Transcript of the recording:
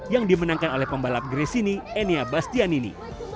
yang dimenangkan oleh pembalap gresini enia bastianini